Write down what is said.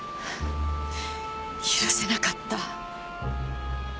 許せなかった。